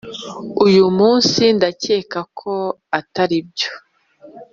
uyu munsi ndakeka ko atari byo